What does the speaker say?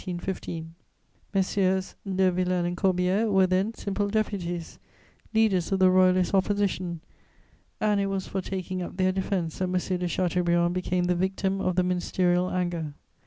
Messieurs de Villèle and Corbière were then simple deputies, leaders of the Royalist Opposition, and it was for taking up their defense that M. de Chateaubriand became the victim of the ministerial anger.